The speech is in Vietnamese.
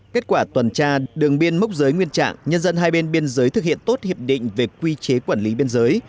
kết quả tuần tra đường biên mốc giới nguyên trạng nhân dân hai bên biên giới thực hiện tốt hiệp định về quy chế quản lý biên giới